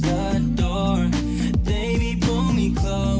คุณฟังผมแป๊บนึงนะครับ